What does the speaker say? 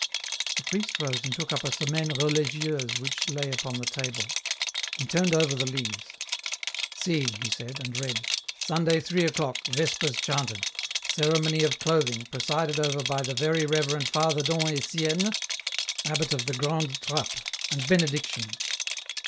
The priest rose and took up a " Semaine religieuse," which lay upon the table. He turned over the leaves. " See," he said, and read, ' Sunday 3 o'clock, Vespers chanted ; ceremony of clothing, presided over by the Very Reverend Father Dom Etienne, abbot of the Grande Trappe, and Benediction.'